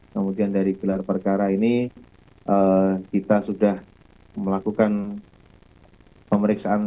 kemudian dari gelar perkara ini kita sudah melakukan pemeriksaan